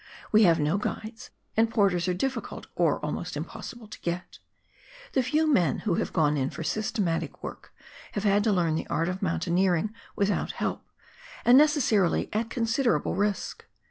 We have no guides, and porters are difficult, or almost impossible to get. The few men who have gone in for systematic work have had to learn the art of mountaineering without help, and necessarily at considerable risk.